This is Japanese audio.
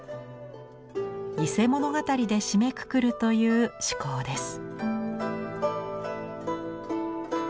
「伊勢物語」で締めくくるという趣向です。